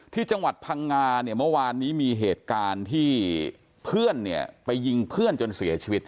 ที่จังหวัดพังงาเนี่ยเมื่อวานนี้มีเหตุการณ์ที่เพื่อนเนี่ยไปยิงเพื่อนจนเสียชีวิต